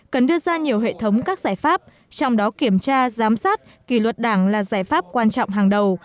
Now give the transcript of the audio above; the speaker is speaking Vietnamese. cần đưa ra nhiều hệ thống các giải pháp trong đó kiểm tra giám sát kỳ luật đảng là giải pháp quan trọng hàng đầu